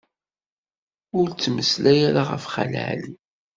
Ur ttmeslay ara ɣef Xali Ɛli.